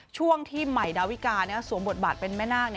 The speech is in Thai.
ช่วงที่ใหม่ดาวิกาสวมบทบาทเป็นแม่นาค